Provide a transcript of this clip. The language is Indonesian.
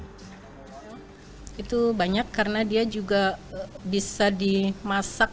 kerajinan kerang itu banyak karena dia juga bisa dimasak